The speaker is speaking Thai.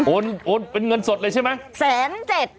โอนเป็นเงินสดเลยใช่ไหม